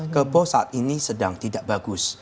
kerbau saat ini sedang tidak bagus